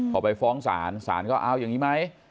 พอไปฟ้องศาลศาลก็เอาอย่างนี้ไหม